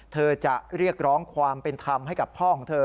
เธอจะเรียกร้องความเป็นธรรมให้กับพ่อของเธอ